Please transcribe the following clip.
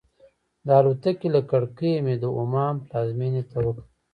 د الوتکې له کړکۍ مې د عمان پلازمېنې ته وکتل.